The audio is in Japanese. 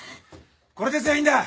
これで全員だ。